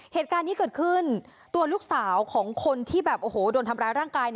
เหตุการณ์นี้เกิดขึ้นตัวลูกสาวของคนที่แบบโอ้โหโดนทำร้ายร่างกาย